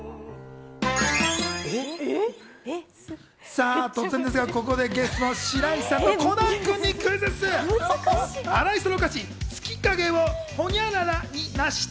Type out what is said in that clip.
さぁ、突然ですがここでゲスさぁ、ゲストの白石さんとコナン君にクイズッス。